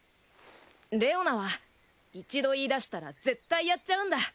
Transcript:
レオナは一度言い出したら絶対やっちゃうんだ。